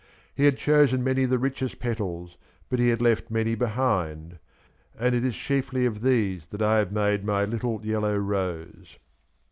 He had chosen many of the richest petals y but he had left many behindy — and it is chiefly of these that I have made my little yellow rose.